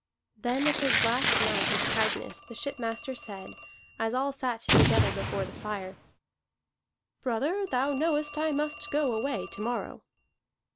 Then at his last night at Cragness the shipmaster said, as all sat together before the fire: "Brother, thou knowest I must go away to morrow."